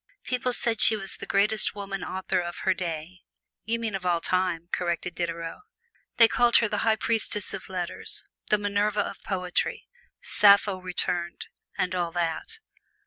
People said she was the greatest woman author of her day. "You mean of all time," corrected Diderot. They called her "the High Priestess of Letters," "the Minerva of Poetry," "Sappho Returned," and all that.